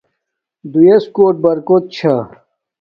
دݸئس کݸٹ بَرکݸت چھݳ نݳ.